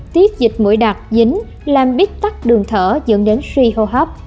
tiếp dịch mũi đặc dính làm biết tắt đường thở dẫn đến suy hô hấp